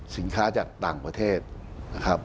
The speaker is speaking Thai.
สินค้าจากต่างประเทศนะครับ